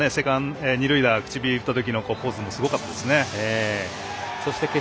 準決勝の二塁打口火を切った時のポーズもすごかったですね。